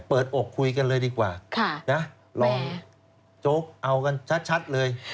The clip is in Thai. เปิดอกคุยกันเลยดีกว่าค่ะนะแม่ลองโจ๊กเอากันชัดชัดเลย